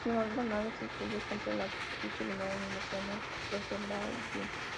Sin embargo, la nave se estrelló contra la superficie lunar en el Oceanus Procellarum.